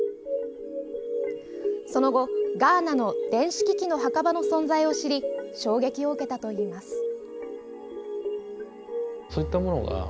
その後、ガーナの電子機器の墓場の存在を知り衝撃を受けたといいます。